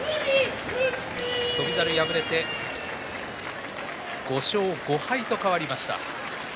翔猿、敗れて５勝５敗と変わりました。